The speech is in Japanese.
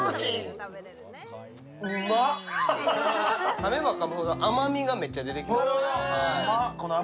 かめばかむほど甘みがめっちゃ出てきます。